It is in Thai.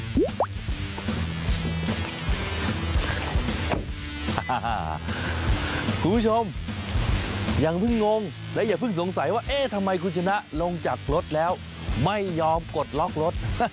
คุณผู้ชมอย่าเพิ่งงงและอย่าเพิ่งสงสัยว่าเอ๊ะทำไมคุณชนะลงจากรถแล้วไม่ยอมกดล็อกรถ